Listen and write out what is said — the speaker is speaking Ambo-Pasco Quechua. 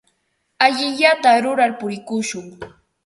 Allinllata rurar purikushun.